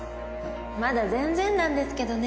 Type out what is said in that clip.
まだ全然なんですけどね。